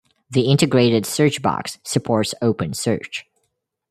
The integrated search box supports OpenSearch.